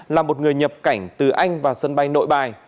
là một người nhập cảnh từ anh vào sân bay nội bài